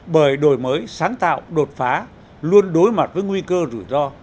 bởi đổi mới sáng tạo đột phá luôn đối mặt với nguy cơ rủi ro